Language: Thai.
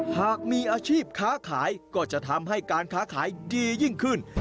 หากมีอาชีพค้าขายก็จะทำให้การค้าขายดียิ่งขึ้น